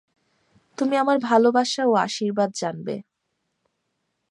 তুমি আমার ভালবাসা ও আশীর্বাদ জানবে।